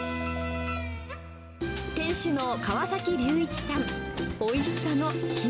店主の川崎隆一さん。